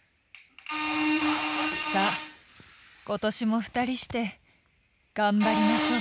「さあ今年も二人してガンバリましょう」。